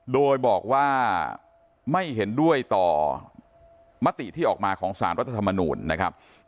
โดยบอกว่าไม่เห็นด้วยต่อมติที่ออกมาของสารรัฐธรรมนูลนะครับ